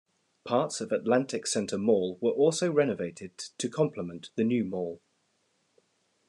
Parts of Atlantic Center Mall were also renovated to complement the new mall.